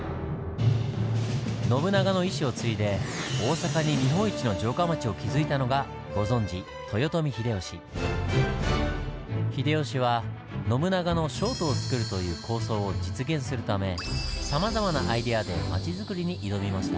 信長の遺志を継いで大阪に日本一の城下町を築いたのがご存じ秀吉は信長の「商都をつくる」という構想を実現するためさまざまなアイデアで町づくりに挑みました。